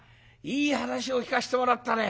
いい話を聞かせてもらったね。